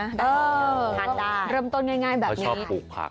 เออทานได้เริ่มต้นง่ายแบบนี้เขาชอบปลูกผัก